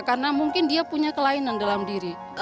karena mungkin dia punya kelainan dalam diri